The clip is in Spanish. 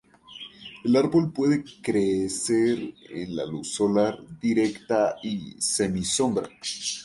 El árbol puede crecer en la luz solar directa y semi-sombra.